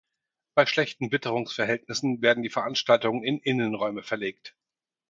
Bei schlechten Witterungsverhältnissen werden die Veranstaltungen in Innenräume verlegt.